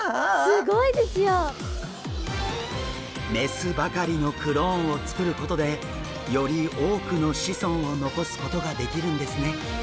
すごいですよ。雌ばかりのクローンをつくることでより多くの子孫を残すことができるんですね。